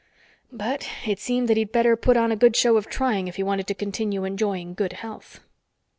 But it seemed that he'd better put on a good show of trying if he wanted to continue enjoying good health.